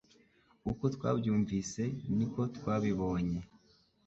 Uko twabyumvise ni ko twabyiboneye